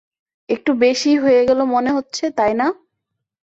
একটু বেশিই হয়ে গেলো মনে হচ্ছে, তাই না?